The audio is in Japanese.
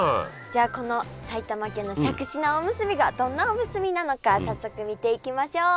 じゃこの埼玉県のしゃくし菜おむすびがどんなおむすびなのか早速見ていきましょう。